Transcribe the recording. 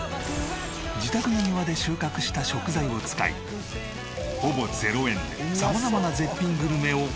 自宅の庭で収穫した食材を使いほぼ０円で様々な絶品グルメを手作り。